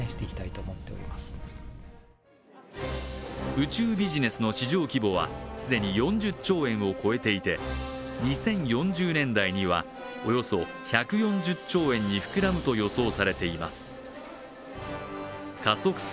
宇宙ビジネスの市場規模は既に４０兆円を超えていて２０４０年代には、およそ１４０兆円に膨らむと予想されています。